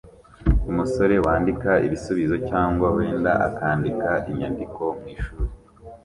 Umusore wandika ibisubizo cyangwa wenda akandika inyandiko mwishuri